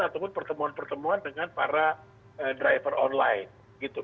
ataupun pertemuan pertemuan dengan para driver online gitu